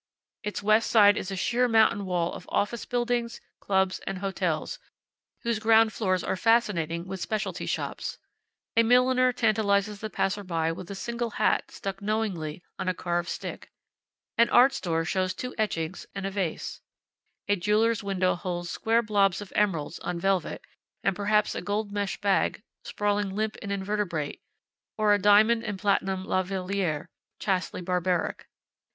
It's west side is a sheer mountain wall of office buildings, clubs, and hotels, whose ground floors are fascinating with specialty shops. A milliner tantalizes the passer by with a single hat stuck knowingly on a carved stick. An art store shows two etchings, and a vase. A jeweler's window holds square blobs of emeralds, on velvet, and perhaps a gold mesh bag, sprawling limp and invertebrate, or a diamond and platinum la valliere, chastely barbaric.